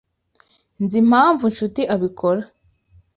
Nzi impamvu Nshuti abikora.